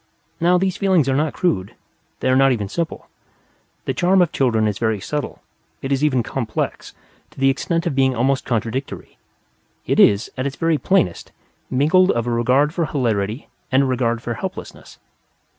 Now, these feelings are not crude; they are not even simple. The charm of children is very subtle; it is even complex, to the extent of being almost contradictory. It is, at its very plainest, mingled of a regard for hilarity and a regard for helplessness.